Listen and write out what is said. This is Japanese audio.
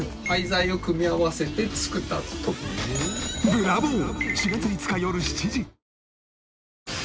ブラボー！